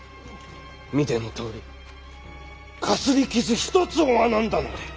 見てのとおりかすり傷一つ負わなんだので。